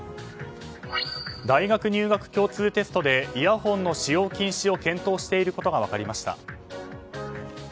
大学入学共通テストでイヤホンの使用禁止を検討していることが分かりました。